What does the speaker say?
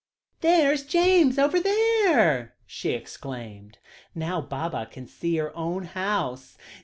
"There's James over there," she exclaimed; "now Baba can see her own house.